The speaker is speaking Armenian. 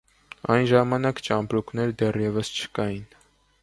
Այն ժամանակ ճամպրուկներ դեռևս չկային։